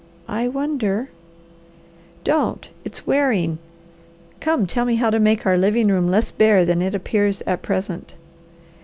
"I wonder " "Don't! It's wearing! Come tell me how to make our living room less bare than it appears at present."